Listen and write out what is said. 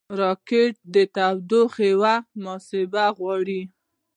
راکټ د توغونې وخت محاسبه غواړي